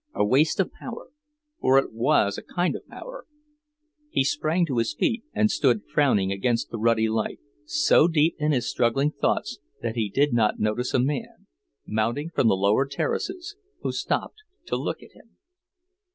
A waste of power for it was a kind of power; he sprang to his feet and stood frowning against the ruddy light, so deep in his struggling thoughts that he did not notice a man, mounting from the lower terraces, who stopped to look at him.